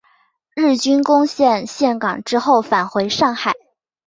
日军攻陷陷港之后返回上海。